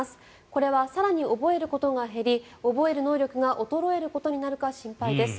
これは更に覚えることが減り覚える能力が衰えることになるか心配です。